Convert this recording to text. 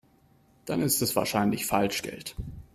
Dann ist es wahrscheinlich Falschgeld.